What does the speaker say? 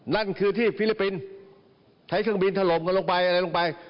นั่นคือที่ฟิลิปปินส์ใช้เครื่องบินถล่มกันลงไปอะไรลงไป